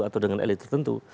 atau dengan elit tertentu